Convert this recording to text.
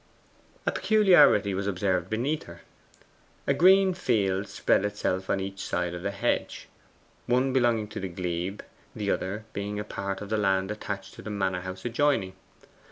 A peculiarity was observable beneath her. A green field spread itself on each side of the hedge, one belonging to the glebe, the other being a part of the land attached to the manor house adjoining.